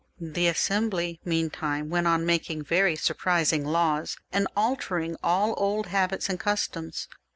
The Assembly, meantime, went on making very sur prising laws, and altering all old habits and customs.